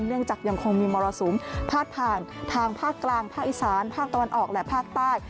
ยังคงมีมรสุมพาดผ่านทางภาคกลางภาคอีสานภาคตะวันออกและภาคใต้